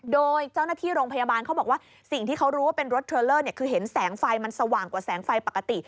โดยเจ้าหน้าที่โรงพยาบาลเขาบอกว่าสิ่งที่เขารู้ว่าเป็นรถเทรลเลอร์คือเห็นแสงไฟมันสว่างกว่าแสงไฟปกติ